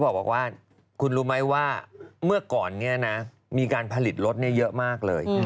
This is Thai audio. บอกว่าคุณรู้ไหมว่าเมื่อก่อนนี้นะมีการผลิตรถเยอะมากเลย